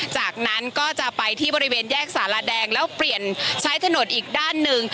จากนั้นก็จะไปที่บริเวณแยกสารแดงแล้วเปลี่ยนใช้ถนนอีกด้านหนึ่ง